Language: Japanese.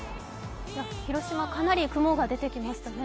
広島、かなり雲が出てきましたね。